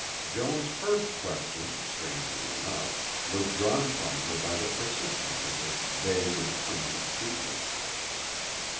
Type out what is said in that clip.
Joan's first question, strangely enough, was drawn from her by the persistence of this vague and pungent sweetness.